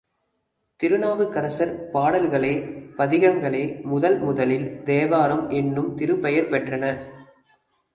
திருநாவுக்கரசர் பாடல்களே பதிகங்களே முதல் முதலில் தேவாரம் என்னும் திருப்பெயர் பெற்றன.